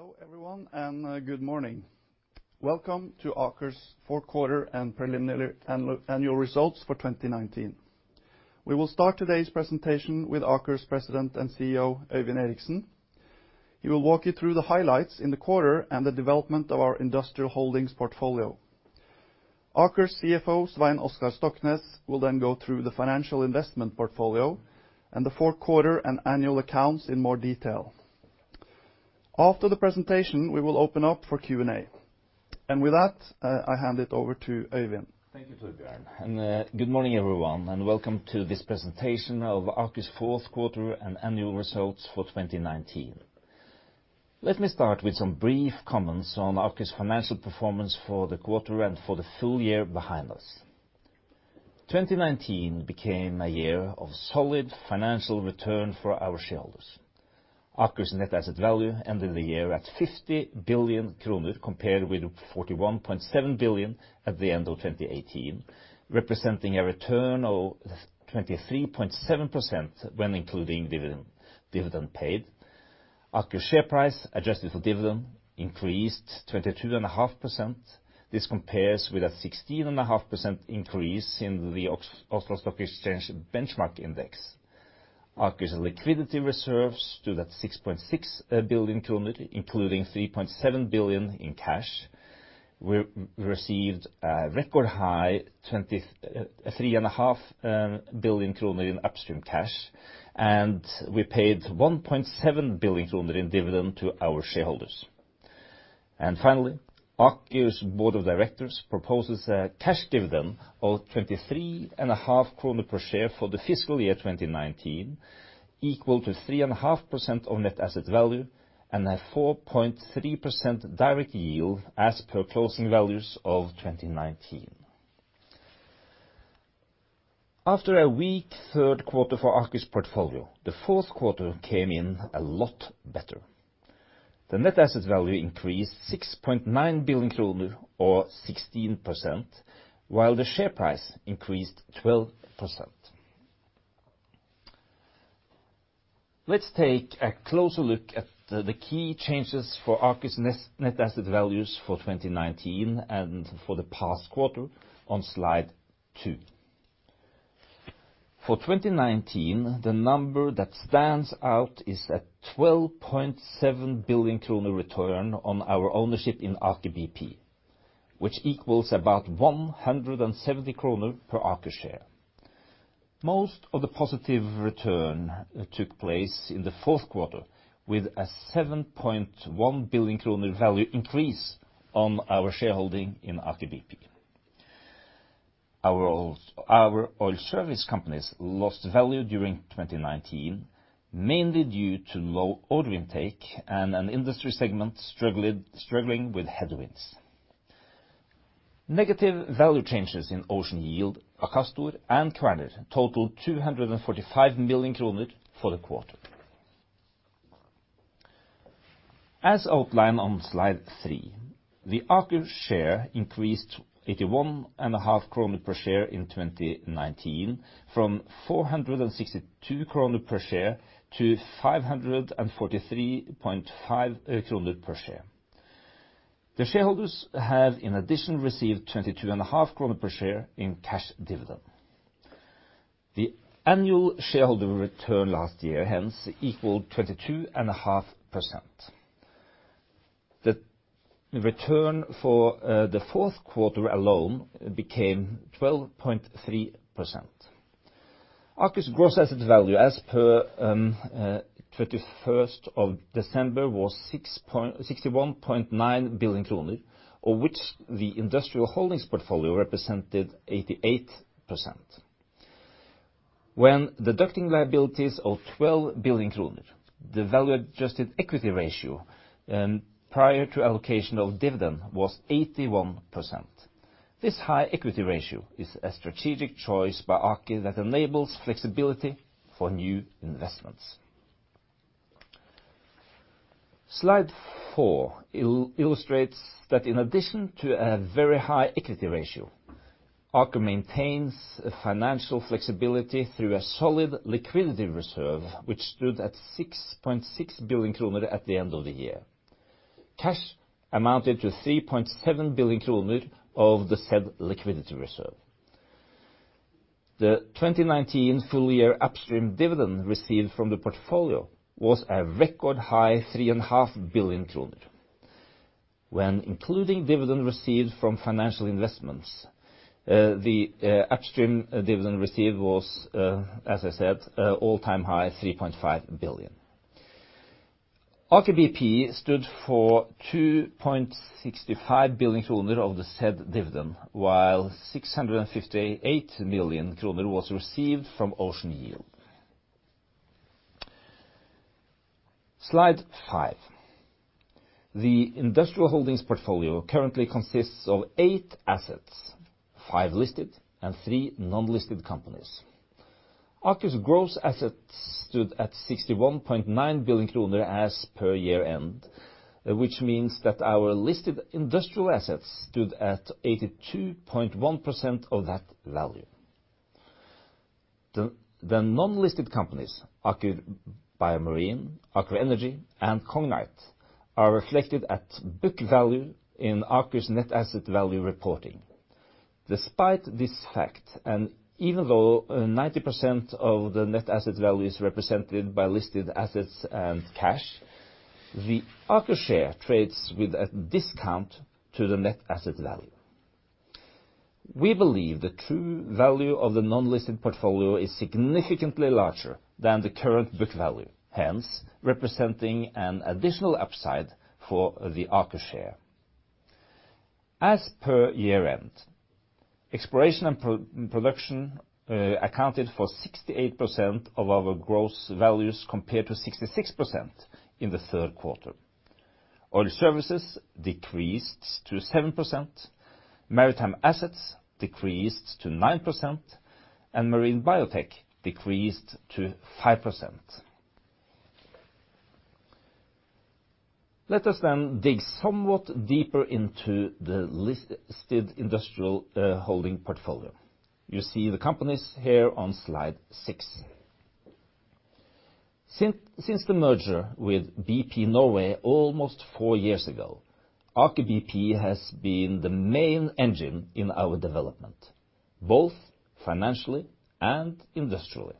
Hello everyone, good morning. Welcome to Aker's fourth quarter and preliminary annual results for 2019. We will start today's presentation with Aker's President and CEO, Øyvind Eriksen. He will walk you through the highlights in the quarter and the development of our industrial holdings portfolio. Aker's CFO, Svein Oskar Stoknes, will go through the financial investment portfolio and the fourth quarter and annual accounts in more detail. After the presentation, we will open up for Q&A. With that, I hand it over to Øyvind. Thank you, Torbjørn. Good morning, everyone, and welcome to this presentation of Aker's fourth quarter and annual results for 2019. Let me start with some brief comments on Aker's financial performance for the quarter and for the full year behind us. 2019 became a year of solid financial return for our shareholders. Aker's net asset value ended the year at 50 billion kroner, compared with 41.7 billion at the end of 2018, representing a return of 23.7% when including dividend paid. Aker's share price, adjusted for dividend, increased 22.5%. This compares with a 16.5% increase in the Oslo Stock Exchange benchmark index. Aker's liquidity reserves stood at 6.6 billion kroner, including 3.7 billion in cash. We received a record high, 3.5 billion kroner in upstream cash, and we paid 1.7 billion kroner in dividend to our shareholders. Finally, Aker's board of directors proposes a cash dividend of 23.5 kroner per share for the fiscal year 2019, equal to 3.5% of net asset value, and a 4.3% direct yield as per closing values of 2019. After a weak third quarter for Aker's portfolio, the fourth quarter came in a lot better. The net asset value increased 6.9 billion kroner, or 16%, while the share price increased 12%. Let's take a closer look at the key changes for Aker's net asset values for 2019 and for the past quarter on slide two. For 2019, the number that stands out is a 12.7 billion kroner return on our ownership in Aker BP, which equals about 170 kroner per Aker share. Most of the positive return took place in the fourth quarter, with a 7.1 billion kroner value increase on our shareholding in Aker BP. Our oil service companies lost value during 2019, mainly due to low order intake and an industry segment struggling with headwinds. Negative value changes in Ocean Yield, Akastor, and Kværner total 245 million kroner for the quarter. As outlined on slide three, the Aker share increased 81.5 kroner per share in 2019, from 462 kroner per share to 543.5 kroner per share. The shareholders have in addition, received 22.5 kroner per share in cash dividend. The annual shareholder return last year hence equaled 22.5%. The return for the fourth quarter alone became 12.3%. Aker's gross asset value as per 31st of December was 61.9 billion kroner, of which the industrial holdings portfolio represented 88%. When deducting liabilities of 12 billion kroner, the value adjusted equity ratio prior to allocation of dividend was 81%. This high equity ratio is a strategic choice by Aker that enables flexibility for new investments. Slide four illustrates that in addition to a very high equity ratio, Aker maintains financial flexibility through a solid liquidity reserve, which stood at 6.6 billion kroner at the end of the year. Cash amounted to 3.7 billion kroner of the said liquidity reserve. The 2019 full-year upstream dividend received from the portfolio was a record high 3.5 billion kroner. When including dividend received from financial investments, the upstream dividend received was, as I said, an all-time high 3.5 billion. Aker BP stood for 2.65 billion kroner of the said dividend, while 658 million kroner was received from Ocean Yield. Slide five. The industrial holdings portfolio currently consists of eight assets, five listed and three non-listed companies. Aker's gross assets stood at 61.9 billion kroner as per year-end, which means that our listed industrial assets stood at 82.1% of that value. The non-listed companies, Aker BioMarine, Aker Energy, and Kongsberg, are reflected at book value in Aker's net asset value reporting. Despite this fact, and even though 90% of the net asset value is represented by listed assets and cash, the Aker share trades with a discount to the net asset value. We believe the true value of the non-listed portfolio is significantly larger than the current book value, hence representing an additional upside for the Aker share. As per year-end, exploration and production accounted for 68% of our gross values, compared to 66% in the third quarter. Oil services decreased to 7%, maritime assets decreased to 9%, and Marine Biotech decreased to 5%. Let us then dig somewhat deeper into the listed industrial holding portfolio. You see the companies here on slide six. Since the merger with BP Norge AS almost four years ago, Aker BP has been the main engine in our development, both financially and industrially.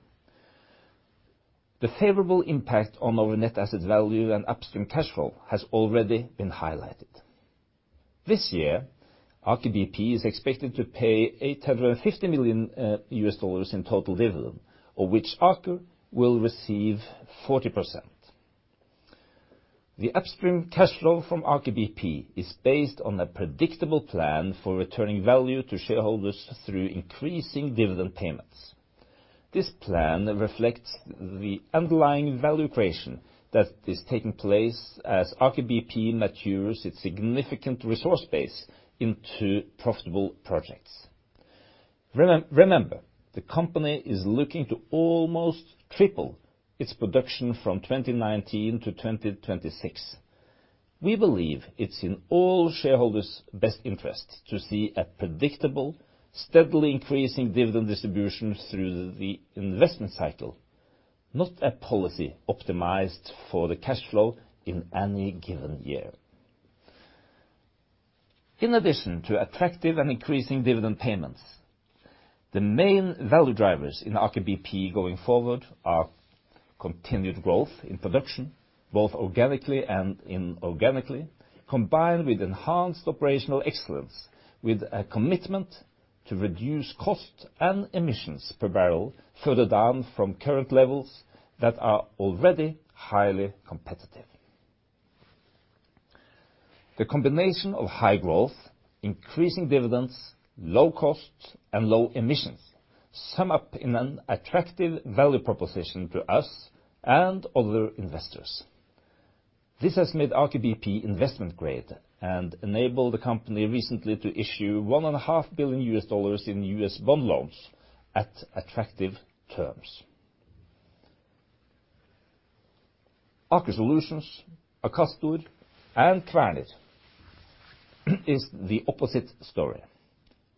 The favorable impact on our net asset value and upstream cash flow has already been highlighted. This year, Aker BP is expected to pay NOK 850 million in total dividend, of which Aker will receive 40%. The upstream cash flow from Aker BP is based on a predictable plan for returning value to shareholders through increasing dividend payments. This plan reflects the underlying value creation that is taking place as Aker BP matures its significant resource base into profitable projects. Remember, the company is looking to almost triple its production from 2019 to 2026. We believe it's in all shareholders' best interest to see a predictable, steadily increasing dividend distribution through the investment cycle, not a policy optimized for the cash flow in any given year. In addition to attractive and increasing dividend payments, the main value drivers in Aker BP going forward are continued growth in production, both organically and inorganically, combined with enhanced operational excellence, with a commitment to reduce cost and emissions per barrel further down from current levels that are already highly competitive. The combination of high growth, increasing dividends, low cost, and low emissions sum up in an attractive value proposition to us and other investors. This has made Aker BP investment-grade and enabled the company recently to issue $1.5 billion in U.S. bond loans at attractive terms. Aker Solutions, Akastor, and Kværner is the opposite story.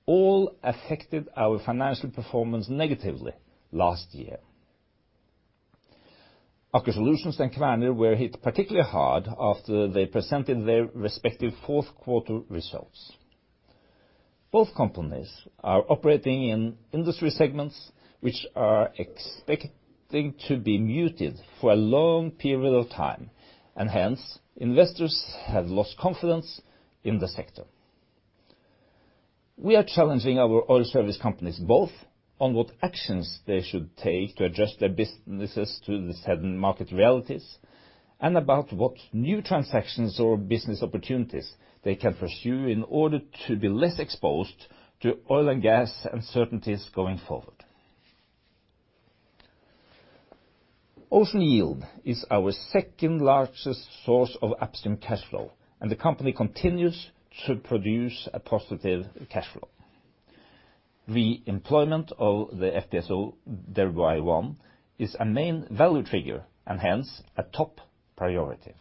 All affected our financial performance negatively last year. Aker Solutions and Kværner were hit particularly hard after they presented their respective fourth quarter results. Both companies are operating in industry segments which are expecting to be muted for a long period of time, and hence, investors have lost confidence in the sector. We are challenging our oil service companies both on what actions they should take to adjust their businesses to the sudden market realities and about what new transactions or business opportunities they can pursue in order to be less exposed to oil and gas uncertainties going forward. Ocean Yield is our second-largest source of upstream cash flow, and the company continues to produce a positive cash flow. Re-employment of the FPSO Dhirubhai-1 is a main value trigger and hence a top priority.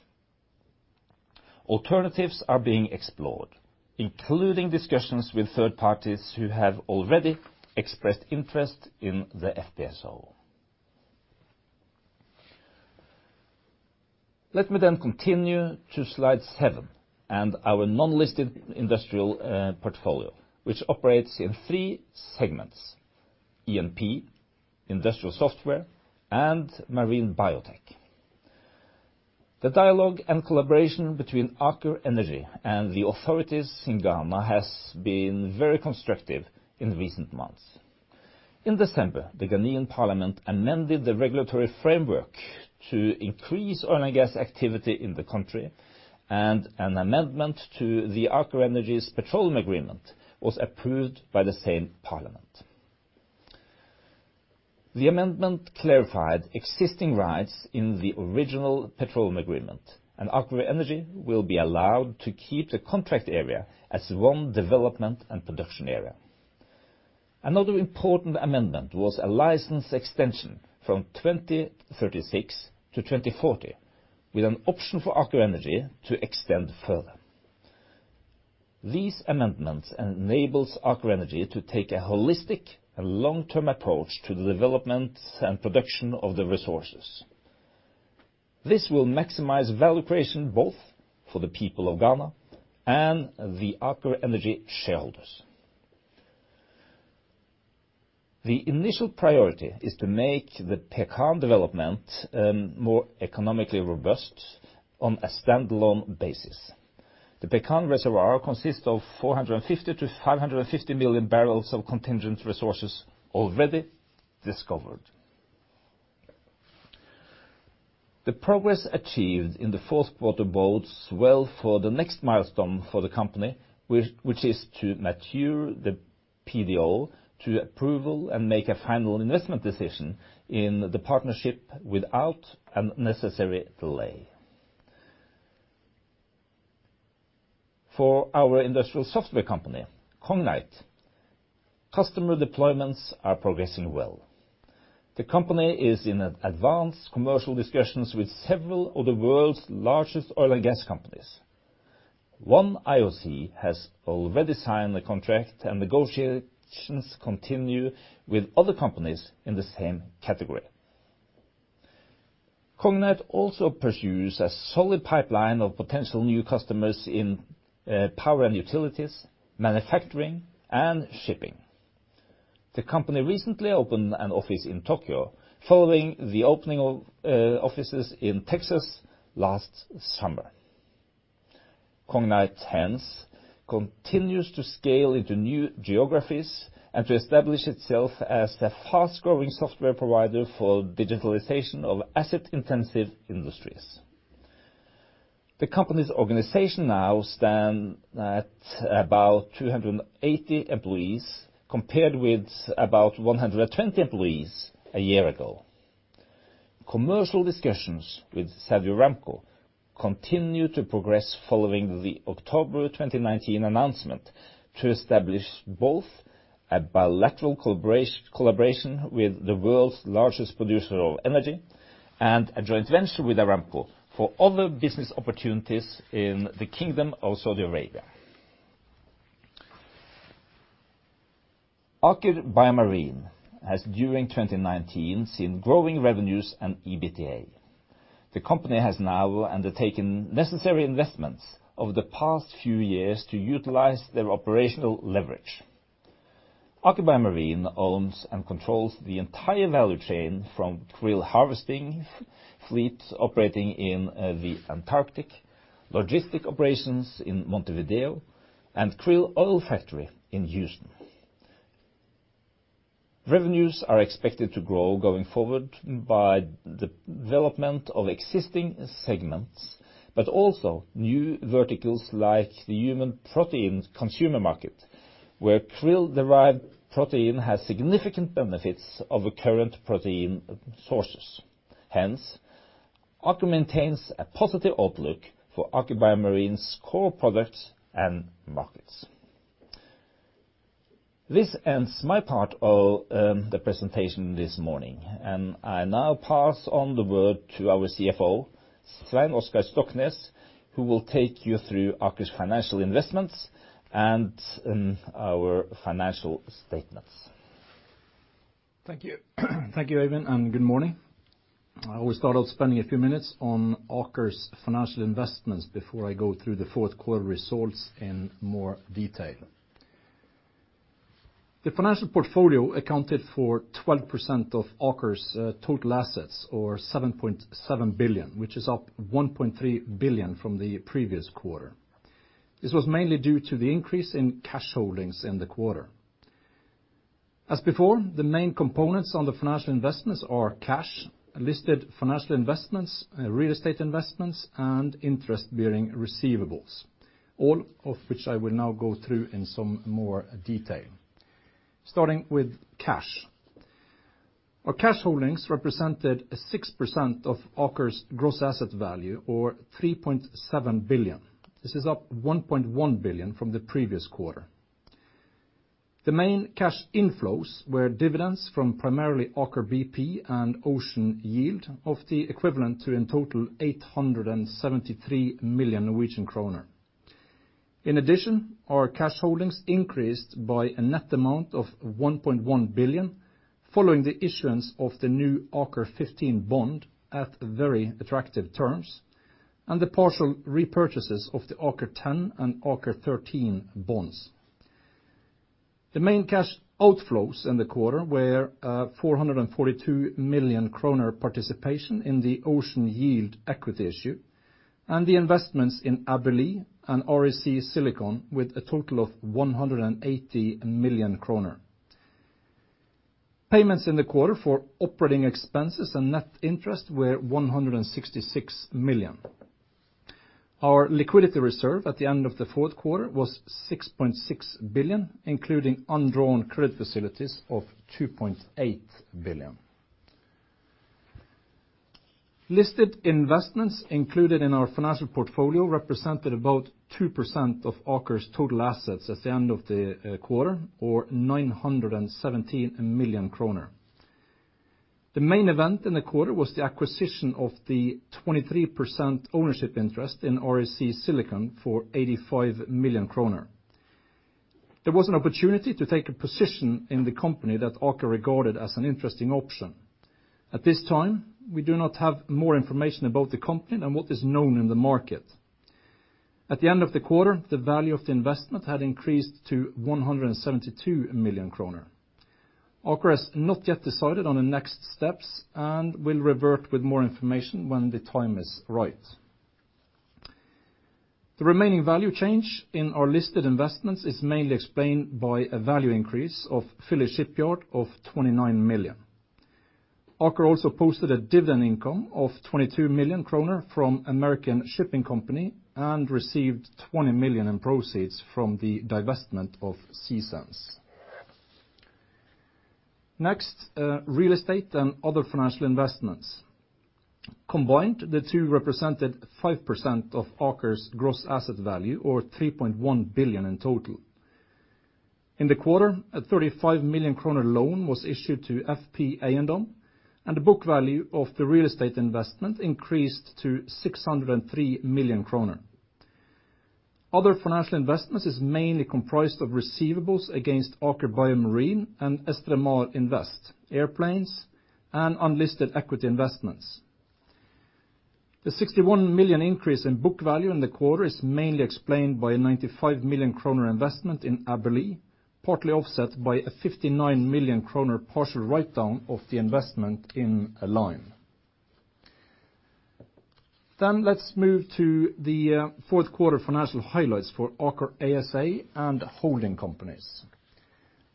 Alternatives are being explored, including discussions with third parties who have already expressed interest in the FPSO. Let me continue to slide seven and our non-listed industrial portfolio, which operates in three segments, E&P, industrial software, and marine biotech. The dialogue and collaboration between Aker Energy and the authorities in Ghana has been very constructive in recent months. In December, the Ghanaian parliament amended the regulatory framework to increase oil and gas activity in the country, and an amendment to Aker Energy's petroleum agreement was approved by the same parliament. The amendment clarified existing rights in the original petroleum agreement, and Aker Energy will be allowed to keep the contract area as one development and production area. Another important amendment was a license extension from 2036 to 2040, with an option for Aker Energy to extend further. These amendments enables Aker Energy to take a holistic and long-term approach to the development and production of the resources. This will maximize value creation both for the people of Ghana and the Aker Energy shareholders. The initial priority is to make the Pecan development more economically robust on a standalone basis. The Pecan reservoir consists of 450 to 550 million barrels of contingent resources already discovered. The progress achieved in the fourth quarter bodes well for the next milestone for the company, which is to mature the PDO to approval and make a final investment decision in the partnership without unnecessary delay. For our industrial software company, Cognite, customer deployments are progressing well. The company is in advanced commercial discussions with several of the world's largest oil and gas companies. One IOC has already signed a contract, and negotiations continue with other companies in the same category. Cognite also pursues a solid pipeline of potential new customers in power and utilities, manufacturing, and shipping. The company recently opened an office in Tokyo following the opening of offices in Texas last summer. Cognite hence continues to scale into new geographies and to establish itself as a fast-growing software provider for digitalization of asset-intensive industries. The company's organization now stands at about 280 employees, compared with about 120 employees a year ago. Commercial discussions with Saudi Aramco continue to progress following the October 2019 announcement to establish both a bilateral collaboration with the world's largest producer of energy and a joint venture with Aramco for other business opportunities in the Kingdom of Saudi Arabia. Aker BioMarine has, during 2019, seen growing revenues and EBITDA. The company has now undertaken necessary investments over the past few years to utilize their operational leverage. Aker BioMarine owns and controls the entire value chain from krill-harvesting fleets operating in the Antarctic, logistic operations in Montevideo, and krill oil factory in Houston. Revenues are expected to grow going forward by development of existing segments, but also new verticals like the human protein consumer market, where krill-derived protein has significant benefits over current protein sources. Aker maintains a positive outlook for Aker BioMarine's core products and markets. This ends my part of the presentation this morning, and I now pass on the word to our CFO, Svein Oskar Stoknes, who will take you through Aker's financial investments and our financial statements. Thank you. Thank you, Øyvind, and good morning. I will start off spending a few minutes on Aker's financial investments before I go through the fourth-quarter results in more detail. The financial portfolio accounted for 12% of Aker's total assets, or 7.7 billion, which is up 1.3 billion from the previous quarter. This was mainly due to the increase in cash holdings in the quarter. As before, the main components on the financial investments are cash, listed financial investments, real estate investments, and interest-bearing receivables, all of which I will now go through in some more detail. Starting with cash. Our cash holdings represented 6% of Aker's gross asset value, or 3.7 billion. This is up 1.1 billion from the previous quarter. The main cash inflows were dividends from primarily Aker BP and Ocean Yield of the equivalent to, in total, 873 million Norwegian kroner. Our cash holdings increased by a net amount of 1.1 billion following the issuance of the new AKER15 bond at very attractive terms and the partial repurchases of the AKER10 and AKER13 bonds. The main cash outflows in the quarter were 442 million kroner participation in the Ocean Yield equity issue and the investments in Adelie and REC Silicon, with a total of 180 million kroner. Payments in the quarter for operating expenses and net interest were 166 million. Our liquidity reserve at the end of the fourth quarter was 6.6 billion, including undrawn credit facilities of 2.8 billion. Listed investments included in our financial portfolio represented about 2% of Aker's total assets at the end of the quarter, or 917 million kroner. The main event in the quarter was the acquisition of the 23% ownership interest in REC Silicon for 85 million kroner. There was an opportunity to take a position in the company that Aker regarded as an interesting option. At this time, we do not have more information about the company than what is known in the market. At the end of the quarter, the value of the investment had increased to 172 million kroner. Aker has not yet decided on the next steps and will revert with more information when the time is right. The remaining value change in our listed investments is mainly explained by a value increase of Philly Shipyard of 29 million. Aker also posted a dividend income of 22 million kroner from American Shipping Company, and received 20 million in proceeds from the divestment of Sea Sense. Real estate and other financial investments. Combined, the two represented 5% of Aker's gross asset value or 3.1 billion in total. In the quarter, a 35 million kroner loan was issued to FP Ayandon, and the book value of the real estate investment increased to 603 million kroner. Other financial investments is mainly comprised of receivables against Aker BioMarine and Estramar Invest, airplanes, and unlisted equity investments. The 61 million increase in book value in the quarter is mainly explained by a 95 million kroner investment in Adelie, partly offset by a 59 million kroner partial write-down of the investment in Align. Let's move to the fourth quarter financial highlights for Aker ASA and holding companies.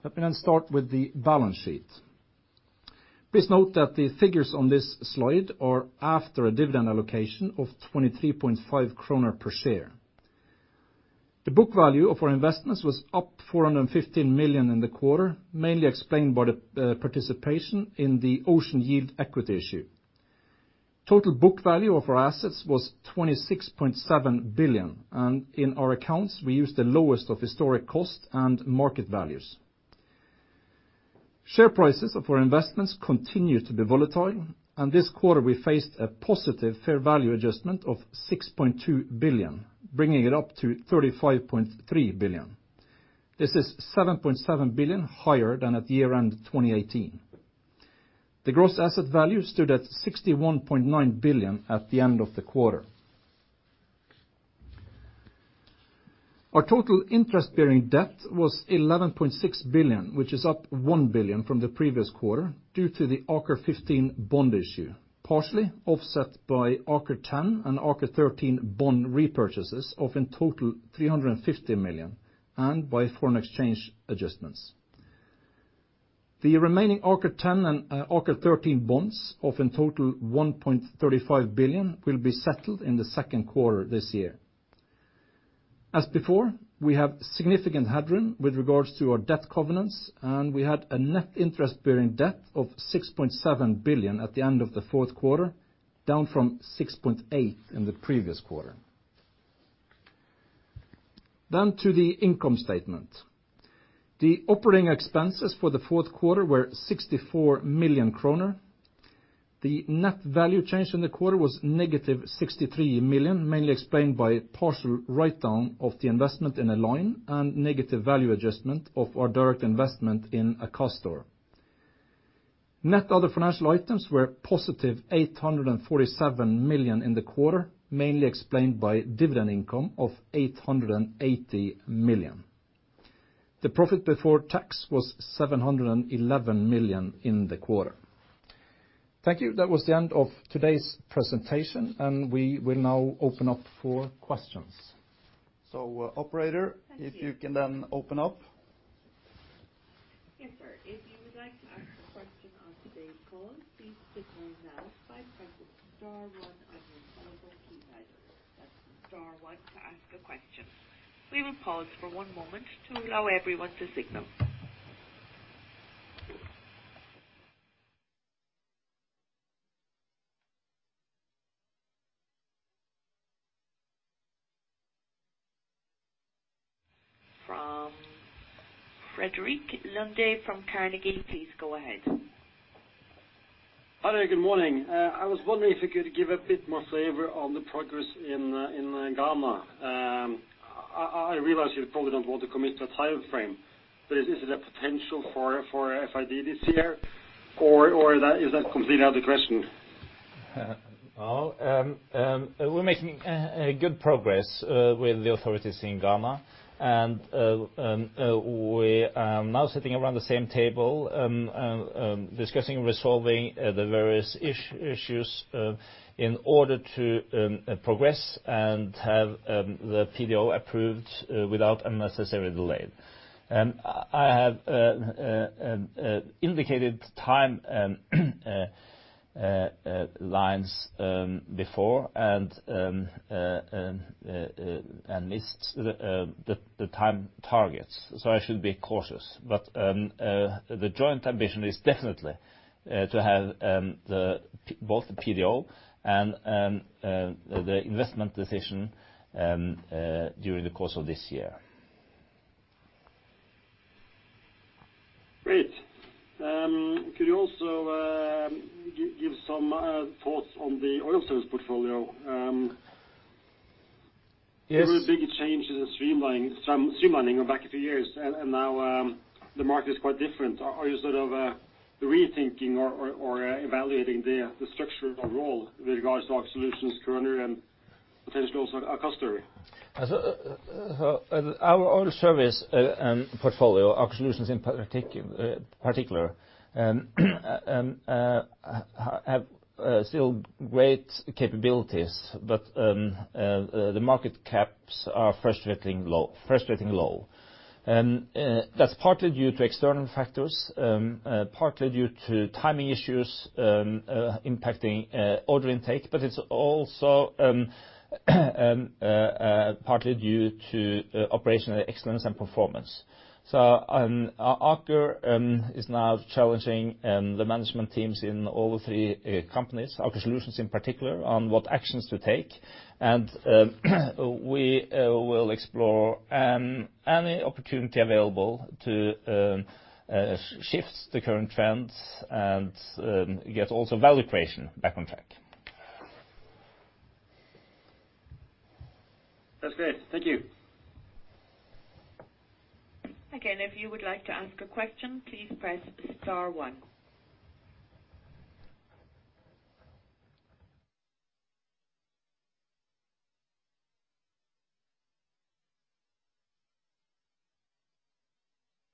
Let me start with the balance sheet. Please note that the figures on this slide are after a dividend allocation of 23.5 kroner per share. The book value of our investments was up 415 million in the quarter, mainly explained by the participation in the Ocean Yield equity issue. Total book value of our assets was 26.7 billion. In our accounts we used the lowest of historic cost and market values. Share prices of our investments continue to be volatile. This quarter we faced a positive fair value adjustment of 6.2 billion, bringing it up to 35.3 billion. This is 7.7 billion higher than at year-end 2018. The gross asset value stood at 61.9 billion at the end of the quarter. Our total interest bearing debt was 11.6 billion, which is up 1 billion from the previous quarter due to the AKER15 bond issue, partially offset by AKER10 and AKER13 bond repurchases of in total 350 million, and by foreign exchange adjustments. The remaining AKER10 and AKER13 bonds of in total 1.35 billion, will be settled in the second quarter this year. As before, we have significant headroom with regards to our debt covenants. We had a net interest bearing debt of 6.7 billion at the end of the fourth quarter, down from 6.8 billion in the previous quarter. To the income statement. The operating expenses for the fourth quarter were 64 million kroner. The net value change in the quarter was negative 63 million, mainly explained by a partial write-down of the investment in Align, and negative value adjustment of our direct investment in Akastor. Net other financial items were positive 847 million in the quarter, mainly explained by dividend income of 880 million. The profit before tax was 711 million in the quarter. Thank you. That was the end of today's presentation. We will now open up for questions. Operator- Thank you if you can then open up. Yes, sir. If you would like to ask a question on today's call, please signal now by pressing star one on your telephone keypad. That's star one to ask a question. We will pause for one moment to allow everyone to signal. From Frederik Lunde from Carnegie, please go ahead. Hi there. Good morning. I was wondering if you could give a bit more flavor on the progress in Ghana. I realize you probably don't want to commit to a timeframe, is there a potential for FID this year or is that completely out of the question? Well, we're making good progress with the authorities in Ghana. We are now sitting around the same table discussing resolving the various issues in order to progress and have the PDO approved without unnecessary delay. I have indicated timelines before and missed the time targets, I should be cautious. The joint ambition is definitely to have both the PDO and the investment decision during the course of this year. Great. Could you also give some thoughts on the oil service portfolio? Yes. There were big changes in streamlining back a few years, and now the market is quite different. Are you rethinking or evaluating the structure or role with regards to Aker Solutions currently and potentially also Aker Solutions? Our oil service and portfolio, Aker Solutions in particular, have still great capabilities, but the market caps are frustratingly low. That's partly due to external factors, partly due to timing issues impacting order intake, but it's also partly due to operational excellence and performance. Aker is now challenging the management teams in all three companies, Aker Solutions in particular, on what actions to take. We will explore any opportunity available to shift the current trends and get also value creation back on track. That's great. Thank you. Again, if you would like to ask a question, please press star one.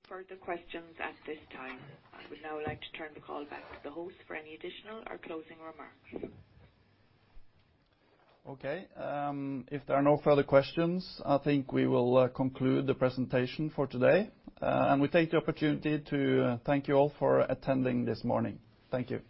No further questions at this time. I would now like to turn the call back to the host for any additional or closing remarks. Okay. If there are no further questions, I think we will conclude the presentation for today. We take the opportunity to thank you all for attending this morning. Thank you